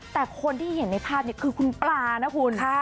แต่คนที่เห็นในภาพนี้คือคุณปลานะคุณ